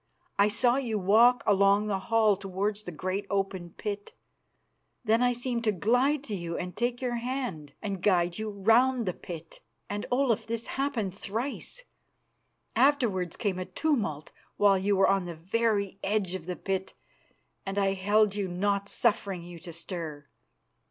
I saw you walk along the hall towards the great open pit. Then I seemed to glide to you and take your hand and guide you round the pit. And, Olaf, this happened thrice. Afterwards came a tumult while you were on the very edge of the pit and I held you, not suffering you to stir.